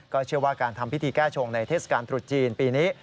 เชื่อว่าการทำพิธีแก้ชงในเทศกาลตรุษจีนปีนี้